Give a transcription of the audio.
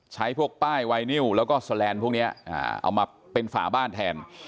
ใช้พวกป้ายไวนิวแล้วก็แสลนด์พวกนี้เอามาเป็นฝาบ้านแทน